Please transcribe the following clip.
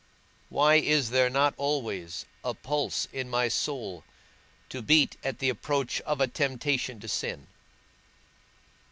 Why is there not always a pulse in my soul to beat at the approach of a temptation to sin?